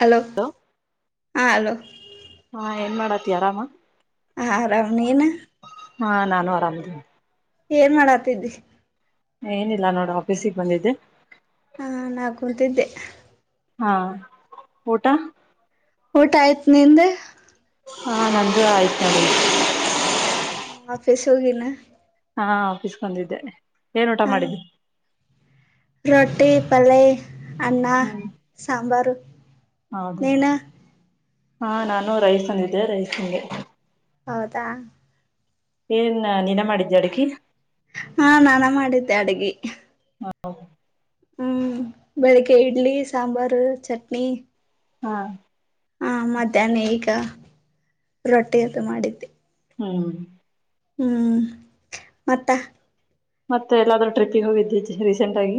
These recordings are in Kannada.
ಹಲೋ ಹಾ ಹಲೋ [inaudible] ಹಾ ಏನ್ ಮಾಡಾತಿ ಆರಾಮ. ಅರಾಮ್ ನಿನಾ. ಹಾ ನಾನು ಆರಾಮ್ ಇದೀನಿ. ಏನ್ ಮಾಡಾತಿದಿ. ಏನಿಲ್ಲ ನೋಡ್ ಆಫೀಸಿಗೆ ಬಂದಿದ್ದೆ. ಹಾ ನಾ ಕುೂಂತಿದ್ದೆ. ಹಾ ಊಟ. ಊಟ ಆಯ್ತ್ ನಿಂದು. ಹಾ ನಂದು ಆಯ್ತು ನೋಡಿಗ್. [inaudible] ಹ ಆಫೀಸ್ ಹೋಗಿನ. ಹಾ ಆಫೀಸ್ಗ್ ಬಂದಿದ್ದೆ ಏನ್ ಊಟ ಮಾಡಿದ್ದಿ. ರೊಟ್ಟಿ ಪಲೈ. ಅನ್ನ ಹ್ಮ್ ಸಾಂಬಾರು ಹೌದಾ ನೀನು. ಹಾ ನಾನು ರೈಸ್ ತಂದಿದ್ದೆ ರೈಸನ್ಗೆ. [inaudible] ಹೌದಾ ಏನ್ ನಿನ ಮಾಡಿದ್ಯ ಅಡ್ಗಿ. ಹಾ ನಾನ ಮಾಡಿದ್ದೆ ಅಡ್ಗಿ. ಹ್ಮ್ ಬೆಳಗೆ ಇಡ್ಲಿ ಸಾಂಬಾರು ಚಟ್ನಿ. ಹಾ ಹಾ ಮಧ್ಯಾಹ್ನ ಈಗ ರೊಟ್ಟಿ ಊಟ ಮಾಡಿದ್ದೆ. ಹ್ಮ್ ಹ್ಮ್ ಮತ್ತ. ಮತ್ತೆ ಎಲ್ಲಾದ್ರೂ ಟ್ರಿಪ್ಪಿಗೆ ಹೋಗಿದ್ದಿ ರೀಸೆಂಟ್ ಆಗಿ.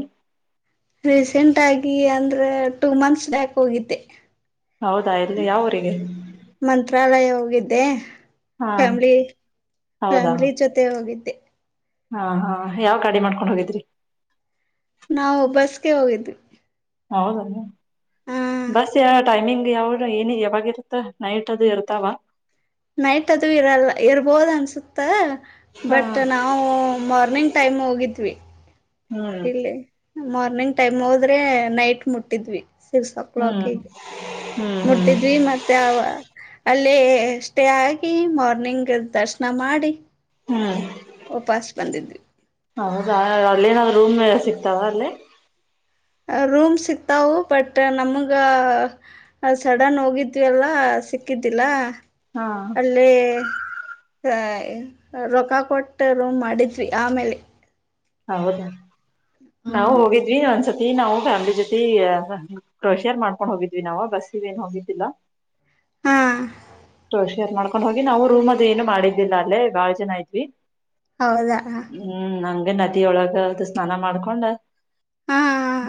ರೀಸೆಂಟ್ ಆಗಿ ಅಂದ್ರೆ ಟೂ ಮಂತ್ಸ್ ಬ್ಯಾಕ್ ಹೋಗಿದ್ದೆ. ಹೌದಾ ಎಲ್ಲಿ ಯಾವೂರಿಗೆ. ಗಿದ್ದೆ. ಫ್ಯಾಮಿಲಿ ಹೌದಾ ಫ್ಯಾಮಿಲಿ ಜೊತೆ ಹೋಗಿದ್ದೆ. ಹಾ ಹಾ ಯಾವ್ ಗಾಡಿ ಮಾಡ್ಕೊಂಡ್ ಹೋಗಿದ್ರಿ. ನಾವು ಬಸ್ಗೆ ಹೋಗಿದ್ವಿ. ಹೌದ. ಹ ಬಸ್ ಯಾವ್ ಟೈಮಿಂಗ್ ಯಾವುರ್ ಏನ್ ಯಾವಾಗಿರುತ್ತ್ ನೈಟ್ ಅದು ಇರ್ತಾವ. ನೈಟ್ ಅದು ಇರಲ್ಲ ಇರ್ಬೋದ್ ಅನ್ಸುತ್ತ. ಹಾ ಬಟ್ ನಾವು ಮಾರ್ನಿಂಗ್ ಟೈಮ್ ಹೋಗಿದ್ವಿ. ಹ್ಮ್ ಇಲ್ಲಿ ಮಾರ್ನಿಂಗ್ ಟೈಮ್ ಹೋದ್ರೆ ನೈಟ್ ಮುಟ್ಟಿದ್ವಿ. ಸಿಕ್ಸೋ ಹ್ಮ್ ಕ್ಲಾಕ್ಗೆ ಹ್ಮ್ ಹ್ಮ್ ಮುಟ್ಟಿದ್ವಿ ಮತ್ತೆ ಅವ ಅಲ್ಲೆ ಸ್ಟೇ ಆಗಿ ಮಾರ್ನಿಂಗ್ ದರ್ಶನ ಮಾಡಿ. ಹ್ಮ್ ಓಪಾಸ್ ಬಂದಿದ್ವಿ. ಹೌದಾ ಅಲ್ಲೇನಾದ್ರು ರೂಮ್ ಎಲ್ಲ ಸಿಕ್ತಾವ ಅಲ್ಲೆ. ರೂಮ್ ಸಿಕ್ತಾವು ಬಟ್ ನಮ್ಗ ಸಡನ್ ಹೋಗಿದ್ವಿಲ್ಲ ಸಿಕ್ಕಿದ್ದಿಲ್ಲ. ಹಾ ಅಲ್ಲೆ ಹ [inaudible] ರೊಕ್ಕ ಕೊಟ್ಟ್ ರೂಮ್ ಮಾಡಿದ್ವಿ ಆಮೇಲೆ. ಹೌದಾ ನಾವು ಹ್ಮ್ ಹೋಗಿದ್ವಿ ಒಂದ್ಸಲ್ ತಿ ನಾವು ಫ್ಯಾಮಿಲಿ ಜೊತೆ ಕ್ರೊಷಿಯರ್ ಮಾಡ್ಕೊಂಡ್ ಹೋಗಿದ್ವಿ ನಾವು ಬಸ್ ಇವೆನ್ ಹೋಗಿದ್ದಿಲ್ಲ. ಹಾ ಕೃಷಿ ಅತ್ ಮಾಡ್ಕೊಂಡ್ ಹೋಗಿ ನಾವು ರೂಮದೇನು ಮಾಡಿದ್ದಿಲ್ಲ ಅಲ್ಲೇ ಬಾಳ ಜನ ಇದ್ವಿ. ಹೌದಾ [unintelligible] ತಿ ಒಳಗ್ ಅದ್ ಸ್ನಾನ ಮಾಡ್ಕೊಂಡ ಹಾ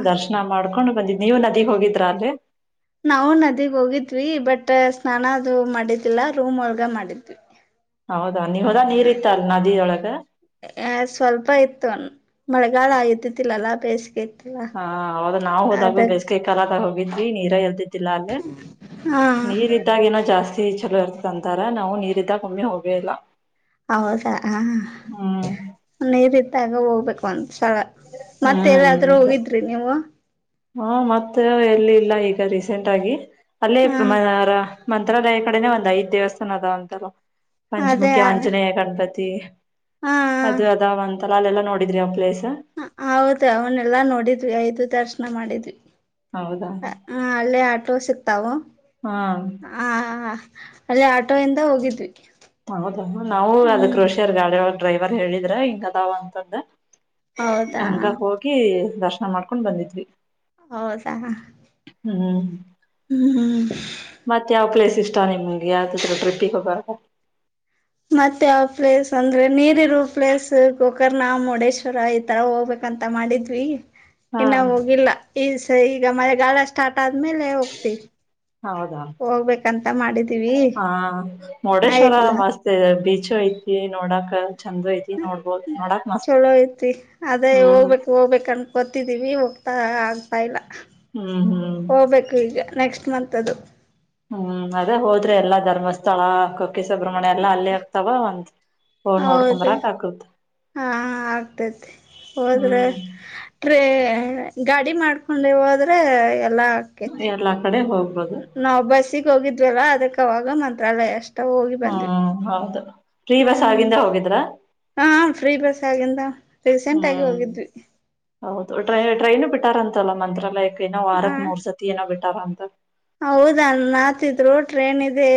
ದರ್ಶನ ಮಾಡ್ಕೊಂಡು. ನೀವು ನದೀಗ್ ಹೋಗಿದ್ರಾ ಅಲ್ಲೆ. ನಾವು ನದಿಗ್ ಹೋಗಿದ್ವಿ ಬಟ್ ಸ್ನಾನ ಅದು ಮಾಡಿದಿಲ್ಲ ರೂಮ್ ಒಳ್ಗ ಮಾಡಿದ್ವಿ. ಹೌದಾ ನೀ ಹೋದಾಗ್ ನೀರ್ ಇತ್ತ ಅಲ್ ನದಿಯೊಳಗ್. ಮಳೆಗಾಲ್ ಆಯುದ್ದಿದ್ದಿಲ್ಲಲ್ಲಾ ಬೇಸ್ಗೆ ಹ ಹೌದು ನಾವ್ ಹೋದಾಗು ಬೇಸಿಗೆಯ ಕಾಲದ ಹ ಗಿದ್ವಿ ನೀರಾ ಎಲ್ದ ಅಲ್ಲೇ ಹಾ ನೀರ್ ಇದ್ದಾಗ ಏನೋ ಜಾಸ್ತಿ ಚಲೋ ಇರ್ತ ಅಂತಾರ ನಾವು ನೀರಿದ್ದ ಒಮ್ಮೆ ಹೋಗೇ ಇಲ್ಲ. ಹೌದಾ ಹ್ಮ್ ನೀರಿದ್ [unintelligible] ಹೋಗ್ಬೇಕು ಒನ್ಸ್ ತಳ ಮತ್ತೆಲ್ಲಾದ್ರು ಹೋಗಿದ್ರಿ ನೀವು. ಹಾ ಮತ್ತ್ ಎಲ್ಲಿ ಇಲ್ಲ ಈಗ ರೀಸೆಂಟ್ ಆಗಿ. ಅಲ್ಲೇ ಹ ಮ ರ ಮಂತ್ರಾಲಯ ಕಡೆನೆ ಒಂದ್ ಐದ್ ದೇವಸ್ಥಾನ ಅದವ ಅಂತಲ. ಅದೇ ಪಂಚುಮುಖ್ಯ ಆಂಜನೆಯ ಕಂಡದ್ ತ್ತೆ ಹಾ ಅದು ಅದ ಒಂದ. ತರಾ ಅಲ್ಲೆಲ್ಲ ನೋಡ್ರಿದ್ರಿ ಅವ್ ಪ್ಲೇಸ್. ಹ ಹೌದ ಅವನ್ನೆಲ್ಲಾ ನೋಡಿದ್ವಿ ಐದು ದರ್ಶನ ಮಾಡಿದ್ವಿ. ಹೌದಾ ಹ ಅಲ್ಲೇ ಆಟೋ ಸಿಕ್ತಾವು ಹಾ ಆ ಅಲ್ಲೇ ಆಟೋ ಇಂದ ಹೋಗಿದ್ವಿ. ಹೌದ್ ಅನ್ ನಾವು ಅದ್ ಹ್ಮ್ ಕೃಷಿಯರ್ ಗಾಡಿ ಒಳಗ್ ಡ್ರೈವರ್ ಹೇಳಿದ್ರ ಹಿಂಗ ಅದಾವ ಅಂತಂದ ಹೌದಾ ಹಂಗ ಹೋಗಿ ದರ್ಶ ಮಾಡ್ಕೊಂಡ್ ಬಂದಿದ್ವಿ. ಹೌದಾ ಹ್ಮು ಹ್ಮು ಹ್ಮು. ಮತ್ತ್ ಯಾವ್ ಪ್ಲೇಸ್ ಇಷ್ಟ ನಿಮಗೆ [unintelligible] ಟ್ರಿಪ್ಪಿಗಿ ಹೋಗಾಕಾ. ಮತ್ತೆ ಯಾವ ಪ್ಲೇಸ್ ಅಂದ್ರೆ ನೀರಿರುವ ಪ್ಲೇಸ್ ಗೋಕರ್ಣ, ಮುರುಡೇಶ್ವರ ಈತರ ಹೋಗ್ಬೇಕಂತ ಮಾಡಿದ್ವಿ. ಹಾ ಇನ್ನ ಹೋಗಿಲ್ಲ ಈಸ್ ತ್ತೆ ಈಗ ಮಳೆಗಾಲ ಸ್ಟಾರ್ಟ ಟ್ ಆದ್ಮೇಲೆ ಹೋಗ್ತಿವಿ. ಹೌದಾ ಅ ಆ ಮುರ್ಡೇಶ್ವರ ಎಕ್ಸಾಮ್ ಮಸ್ತಿದೆ ಬೀಚ್. [unintelligible] ಐತಿ ನೋಡಾಕ ಚಂದು ಐತಿ. ನೋಡ್ಬೋದ ಹ್ಮು ನೋಡಾಕ್ ಮಸ್ತ್ ಚಲೋ ಐತಿ ಅದೇ ಹ್ಮ್ ಹೋಗ್ಬೇಕ್ ಹೋಗ್ಬೇಕ ಅನ್ ಗೊತ್ತಿದ್ದೀವಿ ಹೋಗ್ತಾ ಆಗ್ತಾ ಇಲ್ಲಾ. ಹ್ಮ್ ಹ್ಮ್ ಹೋಗ್ಬೇಕು ಈಗ ನೆಕ್ಸ್ಟ್ ನಂತದು ಹ್ಮು ಅದೇ ಹೋದ್ರೆ ಎಲ್ಲಾ ಧರ್ಮಸ್ಥಳ ಕ ಕ್ಕೆ ಸುಬ್ರಹ್ಮಣ್ಯ ಎಲ್ಲ ಅಲ್ಲೇ ಆಗ್ತಾವ ಅಂತ ಹೌದು ಹಾ ಆಗ್ತತಿ ಹೋದ್ರ ಹ್ಮ್ ಟ್ರೈನ್ ಎ ಗಾಡಿ ಮಾಡ್ಕೊಂಡೇ ಹೊದ್ರ ಎಲ್ಲಾ ಕಡೆ ಹೋಗ ನಾವ ಬಸ್ಸಿಗ್ ಹೋಗಿದ್ವೆಲ್ಲ. ಅದಕ್ಕ ಅವಾಗ ಮಂತ್ರಾಲಯ ಅಷ್ ತ್ತ್ ಹೋಗಿ ಬಂದ್ವಿ ಹ್ಮ್ ಹೌದು ಫ್ರೀ ಬಸ್ ಹ್ಮು ಆಗಿಂದ ಹೋಗಿದ್ರ ಹಾ ಫ್ರೀ ಬಸ್ ಆಗಿಂದ ರೀಸೆಂಟ್ ಆಗಿ ಹ್ಮ್ ಹೋಗಿದ್ವಿ. ಹೌದು ಟ್ರೈನು ಬಿಟ್ಟಾರ್ ಅಂತಲ್ಲ ಮಂತ್ರಾಲಯ ಕೆ. ಏನೋ ಹ ವಾರಕಮೂರ್ ಮೂರ್ಸತಿ ಏ ಬಿಟ್ಟಾರ ತ್ತ [unintelligible] ಹೌದ ನತಿದ್ರು ಟ್ರೇನ್ ಇದೆ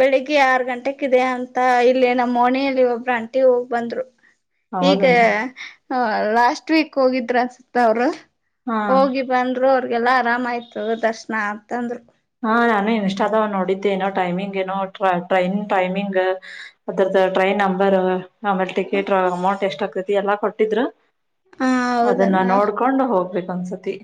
ಬೆಳಿಗ್ಗೆ ಆರ್ ಗಂಟೆಕ್ ಇದೆ ಅಂತ ಇಲ್ಲಿ ನಮ್ಮ ಮೋನೆಯಲ್ಲಿ ಒಬ್ರ ಅಂಟಿ ಹೋಗ್ ಬಂದ್ರು. ಈಗ ಹೌದಲ್ಲ ಹ ಲಾಸ್ಟ್ ವೀಕ್ ಹೋಗಿದ್ರ ಅನ್ಸುತ್ತ ಅವರು. ಹಾ ಹೋಗಿ ಬಂದರು ಅವ್ರಿ ಎಲ್ಲಾ ಆರಾಮಯ್ತು ದರ್ಶ ತಂದರು ಹಾ ನಾನು ಇನ್ಸ್ಟಾದ ನೋಡಿದ್ದೆ ಏನೋ ಟೈಮಿಂಗ್ ಏನೋ ಟ್ರೈನ್ ಟೈಮಿಂಗ್ ಅದರದ್ದ ಟ್ರೈನ್ ನಂಬರ್. ಆಮೇಲೆ ಟಿಕೆಟ್ ಹ ಅಮೌಂಟ್ ಎಷ್ಟ ಪ್ರತಿ ಎಲ್ಲಾ ಕೊಟ್ಟಿದ್ರು. ಅದನ್ನ ಹೌದಣ ನೋಡ್ಕೊಂಡು ಹೋಗ್ಬೇಕು. ಒಸತಿ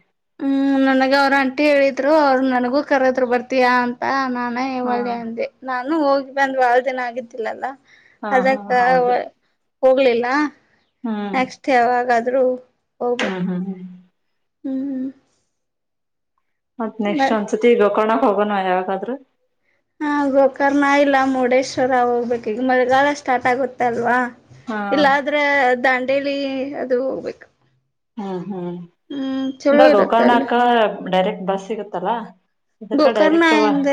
ಹ್ಮ್ ನನ್ಗ ಅವ್ರರು ಅಂಟಿ ಹೇಳಿದ್ರು ಅವರು ನನಗೂ ಕರದ್ರು ಬರ್ತೀಯಾ ಅಂತ ನ ಹಾ ಒಳ್ಳಿ ಅಂದೆ ನ ನಾನು ಹೋಗಿ ಬಂದ್ ಬಾಳ್ ದಿನ ಆಗಿದ್ದಿಲ್ಲಲ್ಲಾ. ಹಾ ಹಾ ಅದಕ್ಕ ಹೌದು ಹೋಗ್ಲಿಲ್ಲ. ಹ್ಮ್ ನಕ್ಸ್ಟ್ ಯಾವಾಗಾದ ರು ಹ್ಮ್ ಹ್ಮ್ ಹ್ಮ್ [inaudible] ಹ್ಮ್ ಹ್ಮ್ ಮತ್ ಬ ನೆಕ್ಸ್ಟ್ ಒಂದ್ಸತಿ ಈಗೋಕೋಣ ಹೋಗೋಣ ಯಾವಾಗಾದ್ರೂ. ಹಾ ಗೋಕರ್ಣ ಇಲ್ಲ ಮುರುಡೇಶ್ವರ ಹೋಗ್ಬೇಕು ಈಗ್ ಮಳೆಗಾಲ ಸ್ಟಾರ್ಟ್ ಆಗುತ್ತ್ ಅಲ್ವಾ. ಹಾ ಇಲ್ಲ ಆದ್ರೆ ದಾಂಡ್ ಎಳಿ ಅದು ಹೋಗ್ಬೇಕ್ ಹ್ಮ ಹ್ಮ್ ಅಂದ್ರ ಇರುತ್ತೆ ಅಲ್ಲಿ ಗೋಕರ್ಣಕ ಡೈರೆಕ್ಟ್ ಬಸ್ ಸಿಗತ್ತಲ್ಲಾ. ಗೋಕರ್ಣ ಎಂದ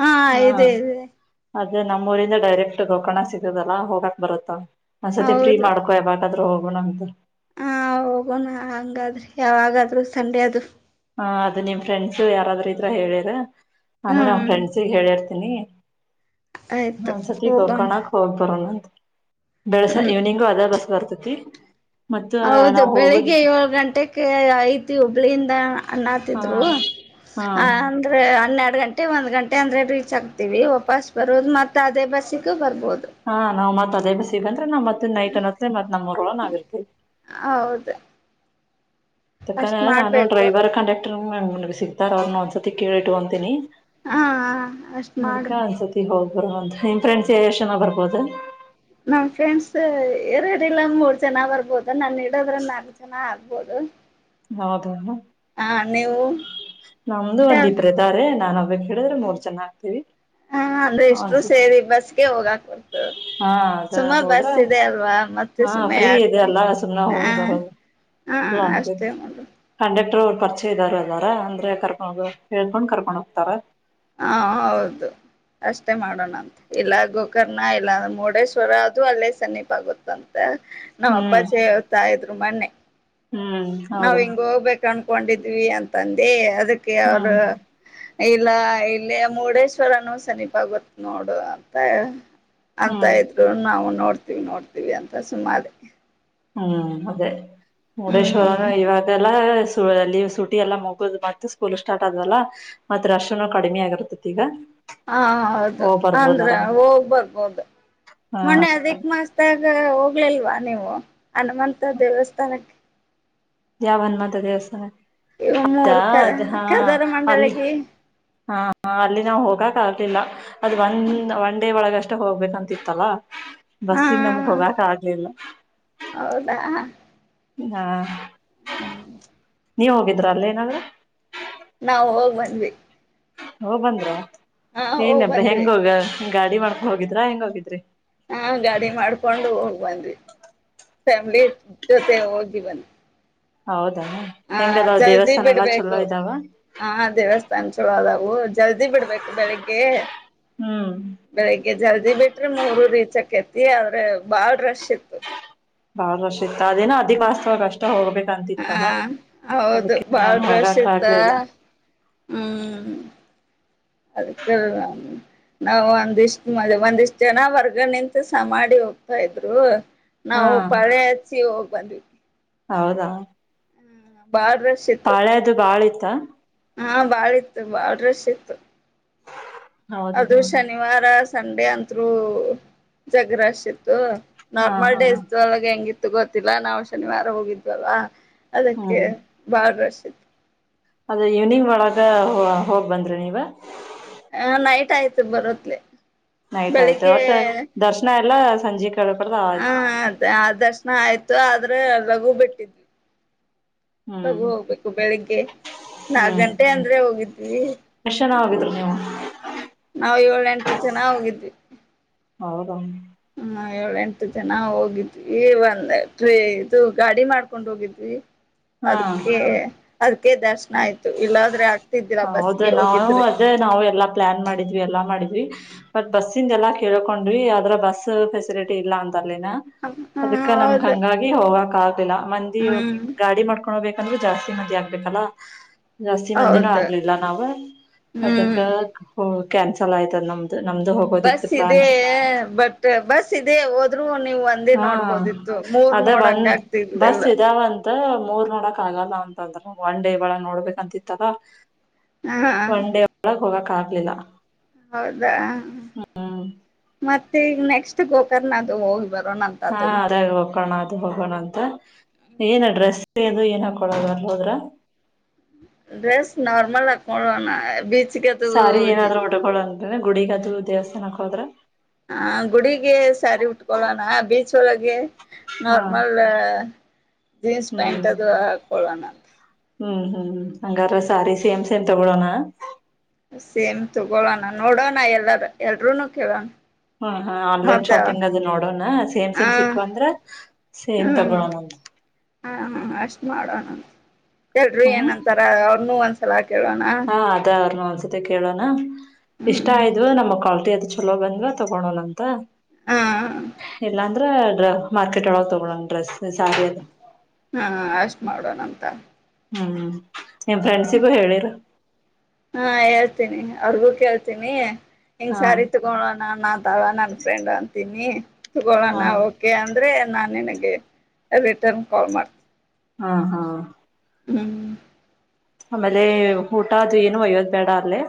ಹಾ ಇದೆ ಇದ್. ಅದೆ ನಮ್ಮೂರಿಂದ ಡೈರೆಕ್ಟ್ ಗೋಕರ್ಣ ಸಿಗದಲ್ಲ ಹೋಗಾಕ್ ಬರುತ್ತ. ಒಂದ್ಸತಿ ಫ್ರೀ ಮಾಡ್ಕೊ ಯಾವಾಗ್ ಕದ್ರ್ ಹೋಗುನಂತ್. ಹ್ಂ ಹೋಗೋಣ್ಹಂಗಾದ್ರೆ ಯಾವಾಗಾದ್ರು ಸಂಡೆ ಅದು. ಹಾ ಅದು ನಿಮ್ ಫ್ರೆಂಡ್ಸು ಯಾರಾದ್ರು ಇದ್ರ ಹೇಳಿರ್. ನಾನು ನಮ್ ಹ್ಮ್ ಫ್ರೆಂಡ್ಸಿಗ್ ಹೇಳಿರ್ತೀನಿ. ಹ ಆಯ್ತು ಒಂದ್ಸತಿ ಹೋಗೋಣ ಗೋಕರ್ಣಾಕ್ ಹೋಗ್ ಬರ್ಣಂತ್ ಬೆಳಸ್ ಹ್ಮ್ ಈವ್ನಿಂಗು ಅದೇ ಬಸ್ ಬರ್ತದ್. [unintelligible] ಹೌದು ಬೆಳಿಗ್ಗೆ ಏಳ್ಗಂಟೆಕ್ಕೆ ಐತಿ ಹುಬ್ಳಿಯಿಂದ. ಹಾ ಅನ್ನಾತಿದ್ರು ಹಾ ಅಂದ್ರೆ ಹನ್ನೆಡ್ ಗಂಟ್ ಒಂದ್ ಗಂಟೆ ಅಂದ್ರೆ ರೀಚ್ ಆಗ್ತಿವಿ ವಾಪಾಸ್ ಬರೊದ್ ಮತ್ತ್ ಅದೇ ಬಸ್ಸಿಗಬರ್ಬದು. ಹಾ ನಾವು ಮಾತ್ ಅದೇ ಬಸ್ಸಿಗಂದ್ ರ ನಮ್ಮತ್ತೆ ನೈಟ್ನ್ ಅನುತ್ತೆ ಮತ್ ನಮ್ಮೂರೊಳಗ್ ನಾವ್ ಇರ್ತೀವಿ. ಹೌದು ತಕ್ ಅಷ್ಟ್ ನಾನು ಮಾಡ್ಬೇಕು ಡ್ರೈವರ್ ಕಂಡಕ್ಟರ್ ನ್ ಹ್ಮ ನಮಿಗ್ ಸಿಗ್ತಾರ್ವನ್ರ್ ಒಂದ್ಸತಿ ಕೇಳಿ ಇಟ್ಗೊಂತಿನಿ. ಹ್ಮ್ಂ ಹ್ಮಂ ಅಷ್ಟು ಮಾಡು. ಬರ್ವಂತ್ ನಿಮ್ ಫ್ರೆಂಡ್ಸ್ ಎಷ್ಟ್ ಜನ ಬರ್ಬೋದು. ನಮ್ ಫ್ರೆಂಡ್ಸ್ ಎರಡಿಲ್ಲ್ ಮೂರ್ ಜನ ಬರ್ಬೋದ್ ನನ್ ಇಡದ್ರ್ ನಾಲ್ಕ್ ಜನ ಆಗ್ಬೋದು. ಹೌದ [inaudible] ಹ್ಮಂ ನೀವು. [inaudible] ನಮ್ದ್ ಒಂದೀಬ್ರಿದಾರೆ ನಾನು ರ್ನ್ ಹಿಡಿದ್ರ್ ಮೂರ್ ಜನಾಗ್ತಿವಿ. ಹಾ ಅಂದ್ರ್ ಇಷ್ಟ್ರು ಸೇರಿ ಬಸ್ಗೆ ಹೋಗಾಕ್ಬರ್ತದ್ ಸುಮಾರ್ ಬಸ್ ಇದೆ ಅಲ್ವಾ. ಮತ್ತೆ ಹಾಂ ಸುಮ ಫ್ರೀ ಇದೆ ಯಾಕೆ ಅಲ್ಲ ಸುಮ್ನೆ ಹೊಗ್ ಹಾ ಬರೋದು ಹಾ [inaudible] ಅಷ್ಟೇ ಮಾಡು ಕಂಡಕ್ ಟ್ರ್ ಪರ್ಚಯದ್ದಾರ್ ಅದಾರ ಅಂದ್ರೆ ಕರ್ಕೊಂಡ್ ಹೇಳ್ಕೊಂಡ್ ಕರ್ಕೊಂಡ್ಹೋಗ್ತಾರ್. ಹ್ಮ್ಂ ಹೌದು. ಅಷ್ಟೇ ಮಾಡೊಣಂತ್ ಇಲ್ಲ ಗೋಕರ್ಣ ಇಲ್ಲ ಮುರ್ಡೇಶ್ವರ ಅದು ಅಲ್ಲೇ ಸಮೀಪ್ ಆಗುತ್ತಂತ. ನಮ್ಮಪ್ಪಾ ಹ್ಮ್ ಚೆ ಹೇಳ್ತಾ ಇದ್ರು ಮನ್ನೆ ಹ್ಮ್ ನಾವ್ ಹೌದು ಹಿಂಗ್ ಹೋಗ್ಬೇಕನ್ ಹಕೊಂಡಿದ್ವಿ ಅಂತಂದೆ ಕ್ಕೆ ಅವರ್ ಹ್ಮ್ ಇಲ್ಲ ಇಲ್ಲಿಯ್ ಮುರುಡೇಶ್ವರನ ಸಮನೀಪ್ ಗೊತ್ ನೋಡ್ ಅಂತ ಅಂತ ಹ್ಮ್ ಇದ್ರು ನಾವು ನೋಡ್ ನೋಡ್ತವಿ ನೋಡ್ತೀವಿ ಅಂತ್ ಸುಮ್ಮದೇ. ಹ್ಮ್ ಅದೇ. ಮುಡೇಶ್ವರನು ಹ್ಮ್ ಇವಾಗೆಲ್ಲಾ ಅಲ್ಲಿ ಸುಟಿ ಎಲ್ಲ ಮುಗುದ್ ಮತ್ತೆ ಸ್ಕೂಲ್ ಸ್ಟಾರ್ಟ್ ಆದವಲ್ಲ ಮತ್ತ ರಶ್ನು ಕಡಿಮೆ ಆಗಿರ್ತತಿ ಈಗ. ಹಾ ಹೌದು ಹೋಗ್ ಅಂದ್ರೆ ಬರ್ಬೋದಾರ ಹೋಗ್ಬರ್ಬೋದು ಮೊಣೆ ಅದಕ್ ಮಸ್ತ್ ಆ ಆ ಹೋಗ್ಲಿಲ್ವಾ ನೀವು. ಹನುಮಂತ ದೇವಸ್ಥಾನಕ್ಕೆ ಯಾವ್ ಹನುಮತ ದೇವಸ್ಥಾನ ಇವು ಅದ ಮೂರು ಕ ಅದ್ ಹಾ ಕದರ ಅಲ್ಲಿ ಮಂಡಳಿಗೆ ಹ ಅಲ್ಲಿ ನಾವವು ಹೋಗಕ್ ಆ ಇಲ್ಲ ಅದು ಒಂದ್ ಒನ್ ಡೇ ಒಳಗೆ ಅಷ್ಟೆ ಹೋಗ್ಬೇಕಂತಿತ್ತಲ್ಲಾ. [inaudible] ಹಾ ಬಸ್ಸಿನ್ ನಮಗ್ ಹೋಗಕ್ ಆಗ್ಲಿಲ್ಲ. [inaudible] ಹೌದಾ ಹಾ ನೀವ್ ಹೋಗಿದ್ರ ಅಲ್ಲಿ ಏನಾದ್ರ್ ನಾವವು ಹೋಗ್ ಬಂದ್ವಿ. ಹೊಗ್ ಬಂದ್ರ. ಹಾ ಹೋಗ್ ಏನಬ್ಬ ಬಂದ್ವಿ ಹೆಂಗೋಗ [unintelligible] ಗಾಡಿ ಮಾಡ್ಕೊಂಡ್ ಹೋಗಿದ್ರಾ ಹೆಂಗ್ ಹೋಗಿದ್ರಿ. ಹಾ ಗಾಡಿ ಮಾಡ್ಕೊಂಡು ಹೋಗ್ ಬಂದಿ. ಫ್ಯಾಮಿಲಿ ಜೊತೆ ಹೋಗಿ ಬನ್ನ ಹೌದು ಹ ಜಲ್ದಿ ಬಿಡ್ಬೇಕು ಇದಾವ ಹ ದೇವಸ್ಥಾಾನ ಚಲೋದ. [inaudible] ಹೌ ಜಲ್ದಿ ಬಿಡ್ಬೇಕು ಬೆಳಿಗ್ಗೆ ಹ್ಮ್ ಬೆಳಿಗ್ಗೆ ಜಲ್ದಿ ಬಿಟ್ರೆ ಮೂರು ರೀತಿ ಚಕತಿ ಆದ್ರೆ ಬಾಳ್ ರಶ್ ಇತ್ತು ಬಹಳ ರಶ್ ಇತ್ತು ಅದಿನ್ ಅದಿ ವಾಸ್ತವ ಅಷ್ಟ ಹೋಗ್ಬೇಕು ಹಾ ಹೌದು ನಾನು ಬಾಳ್ ರಶ್ ಹೋಗಕ್ ಇತ್ತ ಆಗ್ಲಿಲ್ಲ ಹ್ಮ್. ಅದಕ್ ನಾವ್ ಒಂದಿಷ್ಟ ಮ ಒಂದಿಷ್ಟ್ ಜನ ಹೊರ್ಗ ನಿಂತ ಸಮಾಡಿ ಹೋಗ್ತಾ ಇದ್ರು. ಹಾ ನಾವು ಪಾಳೆ ಹಚ್ಚಿ ಹೋ ಬಂದ್ವಿ ಹೌದಾ ಬಾಳ್ ರಶ್ ಇತ್ತು ಪಾಳೆ ಅದು ಬಾಳ್ ಇತ್ತ. ಹಾ ಬಾಳ್ ಇತ್ತ ಬಾಳ್ ರಶ್ ಇತ್ತ. ಹೌದಾ ಅದು ಶನಿವಾರ ರ ಸಂಡೆ ಅಂತ್ರು ಜಗ್ ರಶ್ ಇತ್ತು. ಹಾ ನಾರ್ಮಲ್ ಹಾ ಡ್ರೇಸದ್ ಒಳಗ್ ಹೆಂಗಿ ತ್ತು ಗೊತ್ತಿಲ್ಲ ನಾವು ಶನಿವಾರ ಹೋಗಿದ್ವಲ್ ಅದಕ್ಕೆ ಬಾಳ್ ರಶ್ ಇತ್ತು ಅದೇ ಇವ್ನಿಂಗ್ ಒಳಗ ಹೋ ಹೋಗಿ ಬಂದ್ರ್ಯ ನೀವ. ಅ ನೈಟ್ ಆಯ್ತ ಬರೋತ್ಲೆ. ನೈಟ್ ಆಯ್ತ ವಟ್ಟ್ ದರ್ಶನ ಎಲ್ಲ ಸಂಜಿಕ್ ಅ ಅದ ಆದ ದರ್ಶನ ಆಯ್ತು ಆದ್ರ ಲಗು ಬಿಟ್ಟಿತ್ತ್ ಹ್ಮ್ ಲಗು ಹೋಗ್ಬೇಕು ಬೆಳಿಗ್ಗೆ ನಾಕ್ ಹ್ಮ್ ಗಂಟೆ ಅಂದ್ರೆ ಹೋಗಿದ್ವಿ. ಇವ ನಾವ ಏಳ, ಎಂಟ ಜನ ಹೋಗಿದ್ವಿ. ಹೌದಾ ಹ್ಮು ಏಳ, ಎಂಟ ಜನ ಹೋಗಿದ್ವಿ ಒಂದ್ ಟ್ರೇ ಇದು ಗಾಡಿ ಮಾಡ್ಕೊಂಡ್ ಹೋಗಿದ್ವಿ. ಹಾ ಅದಕ್ಕೆೇ ಅದಕ್ಕೆೇ ದರ್ಶನ ಆಯ್ ಹೌದು ನಾವು ಹೋಗಿದ್ರೆ ಅದೇ ನಾವು ಎಲ್ಲಾ ಪ್ಲ್ಯಾನ್ ಮಾಡಿದ್ವಿ ಎಲ್ಲಾ ಮಾಡಿ ಡಿ ಬಟ್ ಬಸ್ಸಿಂದ್ ಎಲ್ಲಾ ಕೇಳ್ಕೊಂಡ್ವಿ ಅದರ ಬಸ್ ಫೆಸಿಲಿಟಿ ಇಲ್ಲ ಅ ತ್ತಾಲ್ಲೇನ ಹ ಅದಕ್ಕ ನಮಗ್ ಹೌದು ಹಂಗಾಗಿ ಹೋಗಾಕ್ ಆ ತ್ತಿಲ್ಲ ಮಂದಿ ಹ್ಮ್ ಗಾಡಿ ಮಾಡ್ಕೋಬೇ ಅಂದ್ರ ಜಾಸ್ತಿ ಮಂದಿ ಆಕ್ಕತಿ ಅಲ್ಲಾ. ಜಾಸ್ತಿ ಮಂದಿನೂ ಹೌದು ಆಗ್ಲಿಲ್ಲ ನಾವ ಅದಕ್ಕ ಹ್ಮ್ ಹೋ ಕ್ಯಾನ್ಸಲ್ ಆಯ್ತ್ ನಮ್ಮ ಬಸ್ ಇದೆ ಬಟ್ ಬಸ್ ಇದೆ ಹೋದ್ರು ನೀವು ಒಂದೇ ಹಾ ನೋಡ್ಬೋದಿತ್ತು ಮೂರ್ ಅದ ಒಂದ ನೋಡಕ್ ಬಸ್ ಆಗ್ತಿರ್ಲಿಲ್ಲ ಇದ ಒ ಅದ ಮೂರ್ ನೋಡಕ್ ಆಗಲ್ಲ ಅಂತಂದ್ರ ಒನ್ ಡೇ ಒಳಗ್ ನೋಡ್ಬೇಕಂತಿತ್ತಲ್ಲ. ಹಾ ಒನ್ ಡೇ ಒಳಗ್ ಹೋಗಕ್ ಆಗ್ಲಿಲ್ಲ. ಹೌದ ಹ್ಮ ಮತ್ತೆ ಈಗ ನೆಕ್ಸ್ಟ್ ಗೋಕರ್ಣದು ಹೋಗ್ಬು ಹಾ [unintelligible] ಹೋಗೋಣ ಅಂತ ಏನ ಡ್ರೆಸ್ದು ಏನ ಹಾಕೊಳರ್ [unintelligible] ಹೋದ್ರ. ಡ್ರೆಸ್ ನಾರ್ಮಲ್ ಹಾಕ್ಕಳ್ಳೋಣ ಬೀ ಸಾರಿ ಏನಾದರ ಉಟಕೊಳನ್. ಗುಡಿಗದು ದೇವಸ್ಥಾನಕ್ಕ ಹೋದ್ರ. ಹ ಗುಡಿಗೆ ಸಾರಿ ಉಟ್ಕೊಳ್ಳೋಣ ಬೀಚ್. ತೊಳಗೆ. ಹಾ ನಾರ್ಮಲ್ ಜೀನ್ಸ್ ಪ್ಯಾಂಟ್ ಹ್ಮ್ ಅದು ಹಾಕೊಳ್ಳೋಣಂತ ಹ್ಮ್ ಹ್ಮ್ ಹ್ಮ ಹಂಗಾರ ಸಾರಿ ಸೇಮ್ ಸೇಮ್ ತಗೊಳೋಣ. ಸೇಮ್ ತಗೋಳೋಣ ನೋಡೋಣ ಎಲ್ಲಾರ ಎಲ್ರೂನು ಕೇಳೋಣ. ಹಾ ಹಾ ಆನ್ಲೈನ್ ಮತ್ತ ಶಾಪಿಂಗ್ ಅದು ನೋಡೋಣ ಸೇಮ್ ಹಾ ಸೇಮ್ ಸಿಕ್ಕ ಅಂದ್ರ ಸೇಮ್ ಹ್ಮ್ ತಗೊಳೋಣ. ಹಾ ಅಷ್ಟ ಮಾಡೋಣಂತ. [unintelligible] ಹ್ಮ್ ಏನಂತಾರ ಅವ್ರನು ಒಂದ [unintelligible] ಹಾ ಅದ ಅವರ್ನೊ ತೆ ಕೇಳೋಣ. ಇಷ್ಟ ಹ್ಮ್ ಆಯ್ದವ ನಮ್ಮ್ ಕ್ವಾಲ್ಟಿ ಚೊಲೋ ಬಂದ್ವಾ ತಗೊಳೋಲ್ಲಂತ. ಹಾ ಎಲ್ಲಾ ದ್ರ ಮಾರ್ಕೆಟ್ ಒಳಗ ತಗೊಳನ್ ಡ್ರೆಸ್ ಸಾರಿ ಅದು. ಹಾ ಅಷ್ಟ್ ಮಾಡೋನಂತ. ಹ್ಮ್ ನಿಮ್ ಫ್ರೆಂಡ್ಸಿಗೂ ಹೇಳಿರು. ಹಾ ಹೇಳ್ತೀನಿ ಅವರ್ಗೂ ಕೇಳ್ತೀನಿ. ಹಾ ಹಿಂಗ್ ಸಾರಿ ತಗೊಳೋಣ ನಾ ತವಾ ನನ್ ಫ್ರೆಂಡ್ ಅಂತೀನಿ. ಹಾ ತಗೊಳ್ಳೋಣ ಓಕೆ ಅ ದ್ರೆ ನಾನ್ ನಿನಗೆ ರಿಟರ್ನ್ ಕಾಲ್ ಮಾಡ್ತಿ ಹಾ ಹಾ. ಹ್ಮ್ ಆಮೇಲೆ ಹೂಟ ಅದು ಏನು ಒಯ್ಯೋದ್ ಬೇಡ ಅಲ್ಲಿ.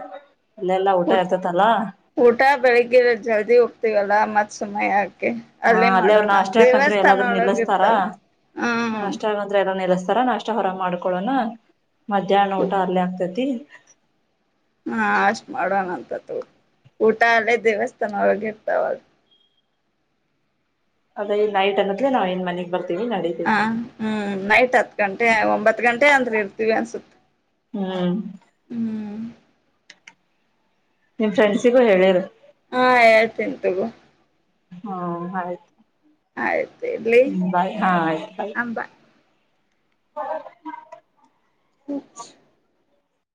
ಊ ಊಟ ಬೆಳಿಗ್ಗೆ ಜಲ್ದಿ ಹೋಗ್ತೀವಲ್ಲ ಮತ್ ಸಮಯ ಹಾ ಅಲ್ಲೆ ಅವ್ರು ನಾಷ್ಟಕ್ ಅಂತ್ರು ಎಲ್ಲಾದ್ರೂ ಒಳಗ ನಿಲ್ಲಸ್ತಾರ ಇರ್ತಾವ ನಾ ಹ್ಮ್ ಅಷ್ಟೇ [unintelligible] ಎಲ್ಲ ನಿಲ್ಲಸ್ತಾರ ತ್ತರ ನಾಷ್ಟ ಹೊರಗ ಮಾಡ್ಕೊಳೋಣ ಮಧ್ಯಾಹ್ನ ಊಟ ಅರ್ಲಿ ಆಗ್ತತಿ. ಹಾ ಅಷ್ಟ ಮಾಡೋಣ ಅಂತ್ ತೊ ಊಟ ಅಲ್ಲೇ ದೇವಸ್ಥಾನವಗ ಇರ್ತಾವ. ಅದೇ [unintelligible] ನೈಟ್ [unintelligible] ನಾವ್ ಏನ್ ಮನಿಗ್ ಬರ್ತಿ ಹ ಹ್ಮ್ ನೈಟ್ ಹತ್ ಗಂಟೆ ಒಂಬತ್. ಹತ್ ಗಂಟೆ ಅಂದ್ರೆ ಇರ್ತೀವಿ ಅನ್ಸುತ್ತ. ಹ್ಮ್ ನಿಮ್ ಫ್ರೆಂಡ್ಸಿಗೂ ಹೇಳಿರ್. ಹಾ ಏಳ್ತೀನ್ ತಗೊ. ಹಾ ಆಯ್ತು. ಆಯ್ತ ಇಡ್ಲಿ ಹ್ಮ ಬಾಯ್ ಹಾ ಆಯ್ತು ಬಾಯ್ ಅಂಬಾ. [inaudible] [inaudible]